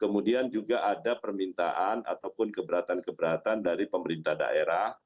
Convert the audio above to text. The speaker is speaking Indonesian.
kemudian juga ada permintaan ataupun keberatan keberatan dari pemerintah daerah